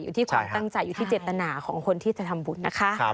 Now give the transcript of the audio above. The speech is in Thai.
อยู่ที่ความตั้งใจอยู่ที่เจตนาของคนที่จะทำบุญนะคะ